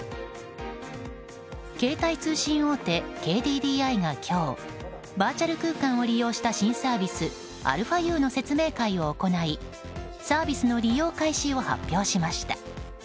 携帯通信大手ＫＤＤＩが今日バーチャル空間を利用した新サービスαＵの説明会を行いサービスの利用開始を発表しました。